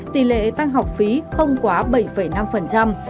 tỷ lệ tăng học phí không quá bảy năm